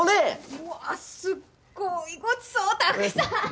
うわすっごいごちそうたくさん！